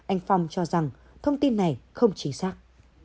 anh phong cho rằng thông tin này không chính xác